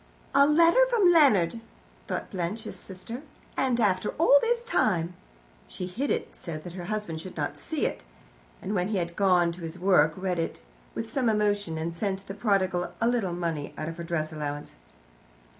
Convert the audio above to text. "A letter from Leonard," thought Blanche, his sister; "and after all this time." She hid it, so that her husband should not see, and when he had gone to his work read it with some emotion, and sent the prodigal a little money out of her dress allowance.